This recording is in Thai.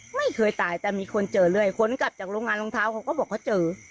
ไม่เคยตายแต่มีคนเจอเรื่อยคนกลับจากโรงงานรองเท้าเขาก็บอกเขาเจอ